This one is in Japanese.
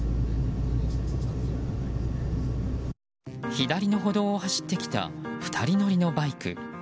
左の歩道を走ってきた２人乗りのバイク。